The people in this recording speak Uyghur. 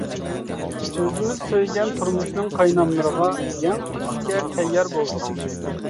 ئۆزىمىز سۆيگەن تۇرمۇشنىڭ قايناملىرىغا يەڭ تۈرۈشكە تەييار بولدۇق.